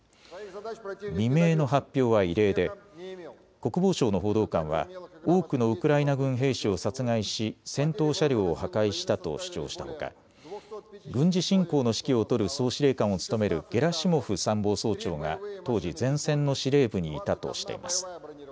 未明の発表は異例で、国防省の報道官は多くのウクライナ軍兵士を殺害し、戦闘車両を破壊したと主張したほか軍事侵攻の指揮を執る総司令官を務めるゲラシモフ参謀総長が当時、前線の司令部にいたとしています。